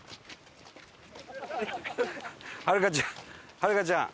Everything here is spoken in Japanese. はるかちゃん。